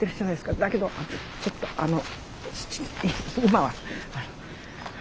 だけどちょっとあの今は。